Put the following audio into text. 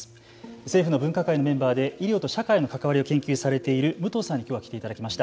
政府の分科会のメンバーで医療と社会の関わりを研究されている武藤さんにきょうは来ていただきました。